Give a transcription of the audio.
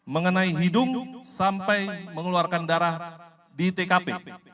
mengenai hidung sampai mengeluarkan darah di tkp